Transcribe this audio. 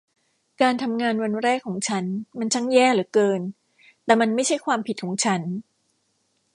การทำงานวันแรกของฉันมันช่างแย่เหลือเกิน แต่มันไม่ใช่ความผิดของฉัน